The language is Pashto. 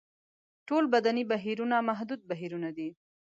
ټول بدني بهیرونه محدود بهیرونه دي.